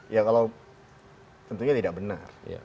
ya kalau tentunya tidak benar